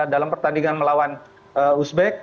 dalam pertandingan melawan uzbek